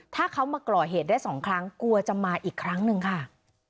ถ้าเขามาก่อเหตุได้สองครั้งกลัวจะมาอีกครั้งหนึ่งค่ะ